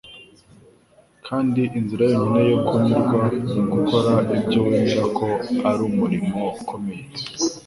kandi inzira yonyine yo kunyurwa ni ugukora ibyo wemera ko ari umurimo ukomeye.